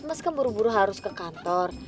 mas kan buru buru harus ke kantor